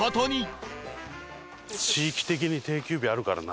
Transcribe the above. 地域的に定休日あるからな。